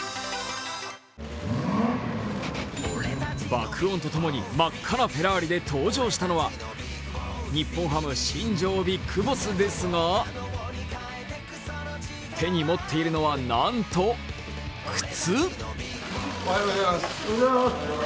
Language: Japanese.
爆音と共に真っ赤なフェラーリで登場したのは、日本ハム・新庄ＢＩＧＢＯＳＳですが手に持っているのは、なんと、靴？！